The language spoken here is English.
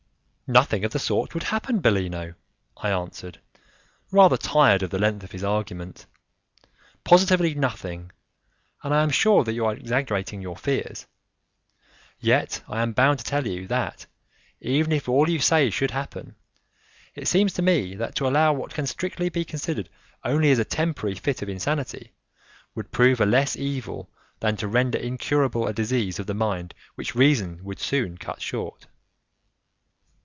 "Nothing of the sort would happen, Bellino," I answered, rather tired of the length of his argument, "positively nothing, and I am sure you are exaggerating your fears. Yet I am bound to tell you that, even if all you say should happen, it seems to me that to allow what can strictly be considered only as a temporary fit of insanity, would prove a less evil than to render incurable a disease of the mind which reason would soon cut short."